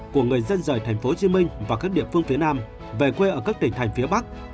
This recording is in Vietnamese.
của người dân rời thành phố hồ chí minh và các địa phương phía nam về quê ở các tỉnh thành phía bắc